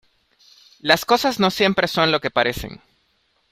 las cosas no siempre son lo que parecen.